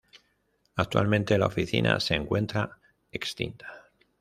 Actualmente la oficina se encuentra extinta.